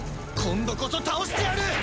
今度こそ倒してやる！